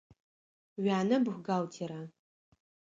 Уянэ бухгалтера?